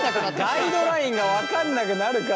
ガイドラインが分かんなくなるから。